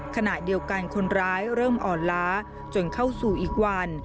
ขณะเดียวกันคนร้ายเริ่มอ่อนล้าจนเข้าสู่อีกวัน